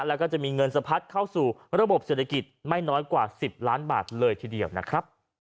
แล้วก็จะมีเงินสะพัดเข้าสู่ระบบเศรษฐกิจไม่น้อยกว่า๑๐ล้านบาทเลยทีเดียวนะครับ